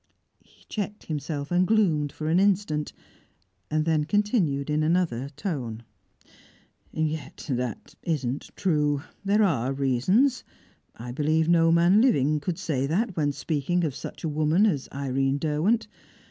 He checked himself, and gloomed for an instant, then continued in another tone: "Yet that isn't true. There are reasons I believe no man living could say that when speaking of such a woman as Irene Derwent.